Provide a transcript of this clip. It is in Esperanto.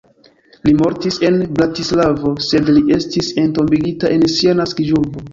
Li mortis en Bratislavo, sed li estis entombigita en sia naskiĝurbo.